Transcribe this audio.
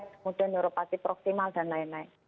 kemudian neuropati proximal dan lain lain